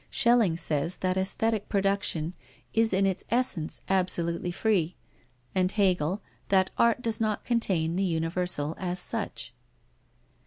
Schelling says that aesthetic production is in its essence absolutely free, and Hegel that art does not contain the universal as such.